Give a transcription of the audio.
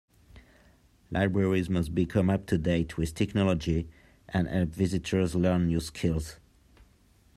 Libraries must become up to date with technology and help visitors learn new skills.